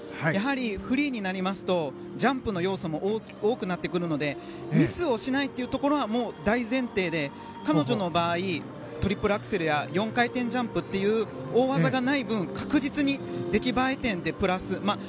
やはりフリーになりますとジャンプの要素も多くなってくるのでミスをしないというところが大前提で、彼女の場合トリプルアクセルや４回転ジャンプという大技がない分確実に出来栄え点でプラスを。